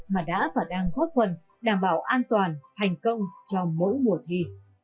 mà đã và đang góp phần đảm bảo an toàn thành công cho mỗi mùa thi